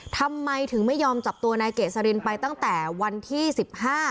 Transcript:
ทำไมถึงไม่ยอมจับตัวนายเกษรินไปตั้งแต่วันที่สิบห้า